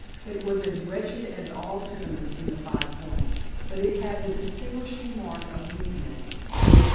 It was as wretched as all tenements in the Five Points, but it had the distinguishing mark of neatness.